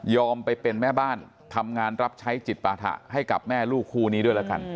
ไปเป็นแม่บ้านทำงานรับใช้จิตปาถะให้กับแม่ลูกคู่นี้ด้วยแล้วกัน